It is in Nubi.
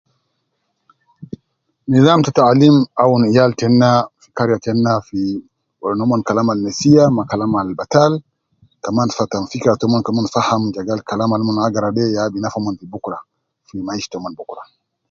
Nizam te taalim aun yal tena fi kariya tena fi weri noomon kalam al nesiya ma kalam al batal, kaman fata fikira toomon, koomon faham je gal kalam al omon agara de ya binafa omon bukura, fi maisha toomon bukura